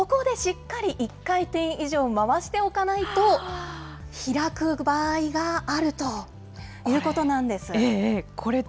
ここでしっかり１回転以上回しておかないと、開く場合があるということなんです。